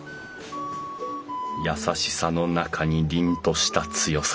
優しさの中に凜とした強さか。